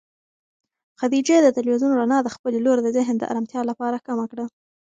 خدیجې د تلویزون رڼا د خپلې لور د ذهن د ارامتیا لپاره کمه کړه.